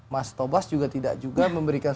mas tobas juga tidak juga memberikan